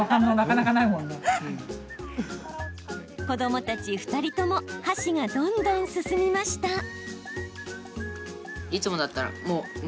子どもたち２人とも箸がどんどん進みました。